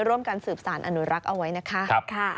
ร่วมกันสืบสารอนุรักษ์เอาไว้นะคะ